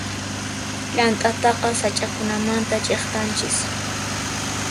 Llant'ataqa sach'akunamanta ch'iktanchis.